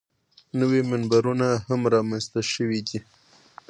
نوي منبرونه هم رامنځته شوي دي.